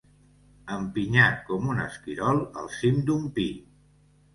Empinyat com un esquirol al cim d'un pi.